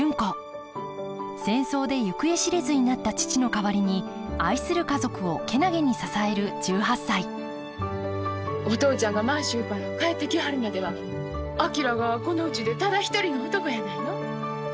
戦争で行方知れずになった父の代わりに愛する家族を健気に支える１８歳お父ちゃんが満州から帰ってきはるまでは昭がこのうちでただ一人の男やないの。